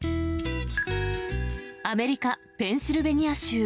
アメリカ・ペンシルベニア州。